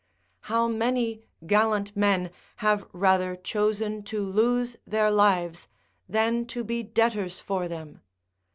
How many gallant men have rather chosen to lose their lives than to be debtors for them?